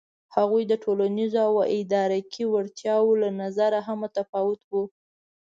هغوی د ټولنیزو او ادراکي وړتیاوو له نظره هم متفاوت وو.